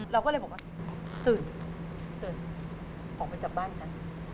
เราก็เลยบอกว่าตื่นตื่นออกไปจากบ้านฉัน